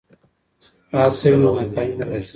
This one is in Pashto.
که هڅه وي نو ناکامي نه راځي.